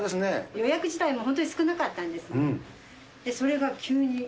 予約自体も本当に少なかったんですが、それが急に。